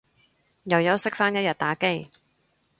又休息返一日打機